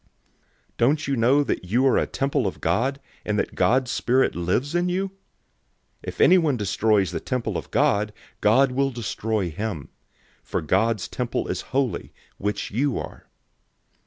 003:016 Don't you know that you are a temple of God, and that God's Spirit lives in you? 003:017 If anyone destroys the temple of God, God will destroy him; for God's temple is holy, which you are.